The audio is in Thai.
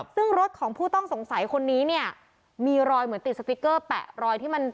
ซึ่งรถของผู้ต้องสงสัยคนนี้เนี่ยมีรอยเหมือนติดสติ๊กเกอร์แปะรอยที่มัน